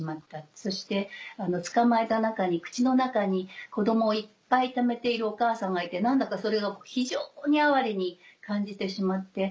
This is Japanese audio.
そして捕まえた中に口の中に子供をいっぱいためているお母さんがいて何だかそれが非常に哀れに感じてしまって。